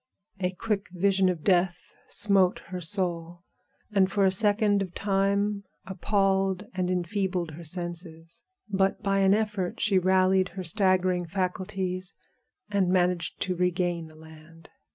A quick vision of death smote her soul, and for a second of time appalled and enfeebled her senses. But by an effort she rallied her staggering faculties and managed to regain the land.